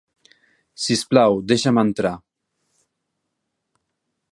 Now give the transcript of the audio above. Si us plau, deixa'm entrar.